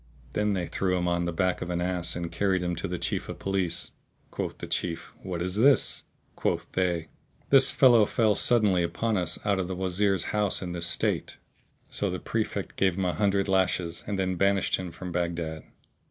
Then they threw him on the back of an ass and carried him to the Chief of Police. Quoth the Chief, "What is this?" Quoth they, "This fellow fell suddenly upon us out of the Wazir's house[FN#649] in this state." So the Prefect gave him an hundred lashes and then banished him from Baghdad.